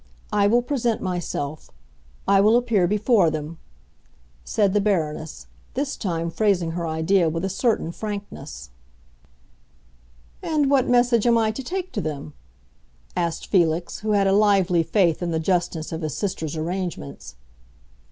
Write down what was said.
I will present myself—I will appear before them!" said the Baroness, this time phrasing her idea with a certain frankness. "And what message am I to take to them?" asked Felix, who had a lively faith in the justness of his sister's arrangements.